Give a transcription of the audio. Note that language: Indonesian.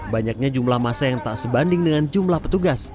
banyaknya jumlah masa yang tak sebanding dengan jumlah petugas